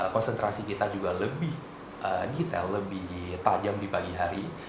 konsentrasi kita juga lebih detail lebih tajam di pagi hari